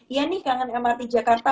iya nih kangen mrt jakarta